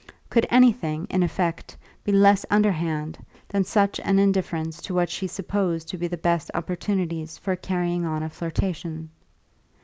Could anything, in effect, be less underhand than such an indifference to what she supposed to be the best opportunities for carrying on a flirtation?